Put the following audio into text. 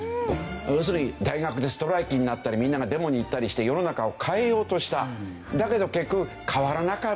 要するに大学でストライキになったりみんながデモに行ったりしてだけど結局変わらなかったよねえって